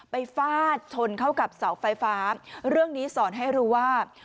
ฟาดชนเข้ากับเสาไฟฟ้าเรื่องนี้สอนให้รู้ว่า